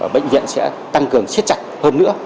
bệnh viện sẽ tăng cường siết chặt hơn nữa